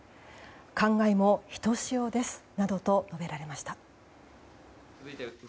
感慨もひとしおですなどと述べられました。